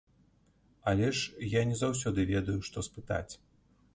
Але ж я не заўсёды ведаю, што спытаць.